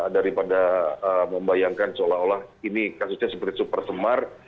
daripada membayangkan seolah olah ini kasusnya seperti super semar